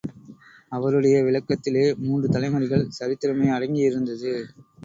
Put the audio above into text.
அவருடைய விளக்கத்திலே மூன்று தலைமுறைகள் சரித்திரமே அடங்கி யிருந்தது.